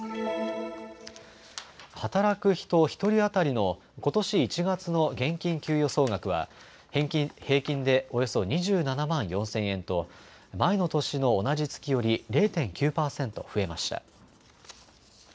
働く人１人当たりのことし１月の現金給与総額は平均でおよそ２７万４０００円と７年の同じ月より０．９％増えました。